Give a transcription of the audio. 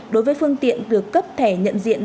đối với phương tiện được cấp thẻ nhận diện